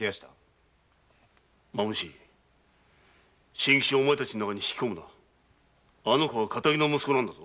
真吉をお前たちの中に引き込むなあの子は堅気の息子なんだぞ。